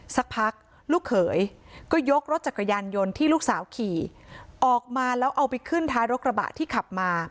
สักพักลูกเขยก็ยกรถจักรยานยนต์ที่ลูกสาวขี่ออกมาแล้วเอาไปขึ้นท้ายรถกระบะที่ขับมา